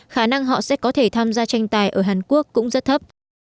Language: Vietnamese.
khả năng họ sẽ có thể tham gia tranh tài ở hàn quốc cũng rất thấp